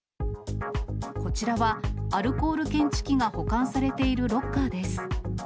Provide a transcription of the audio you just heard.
こちらは、アルコール検知器が保管されているロッカーです。